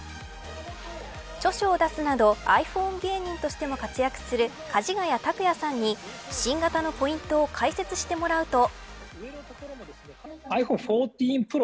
著書を出すなどｉＰｈｏｎｅ芸人としても活躍するかじがや卓哉さんに新型のポイントを解説してもらうと。